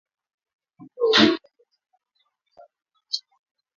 Ugonjwa wa ngozi unaambukizwa kwa haraka na kusababisha vidonda